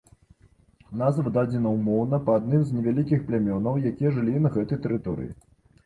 Назва дадзена ўмоўна, па адным з невялікіх плямёнаў, якія жылі на гэтай тэрыторыі.